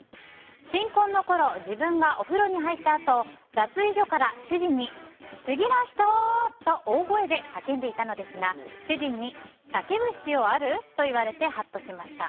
新婚のころ自分がお風呂に入ったあと脱衣所から主人に、次の人！と大声で叫んでいたのですが主人に、叫ぶ必要ある？と言われてハッとしました。